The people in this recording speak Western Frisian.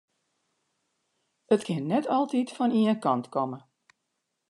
It kin net altyd fan ien kant komme.